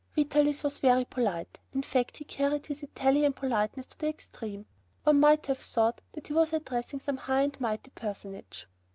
Vitalis was very polite; in fact he carried his Italian politeness to the extreme. One might have thought that he was addressing some high and mighty personage.